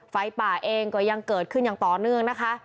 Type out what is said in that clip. ไฟป่าเองก็ยังเกิดขึ้นอย่างต่อเนื่องนะคะ